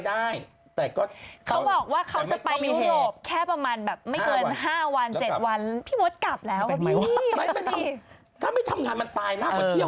ไม่รู้ว่าเขาทำงานมีมศคงชอบทำงาน